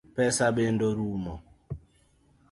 Pesa bende rumo.